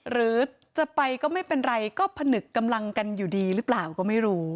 หรือจะไปก็ไม่เป็นไรก็ผนึกกำลังกันอยู่ดีหรือเปล่าก็ไม่รู้